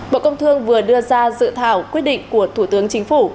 bộ công thương vừa đưa ra dự thảo quyết định của thủ tướng chính phủ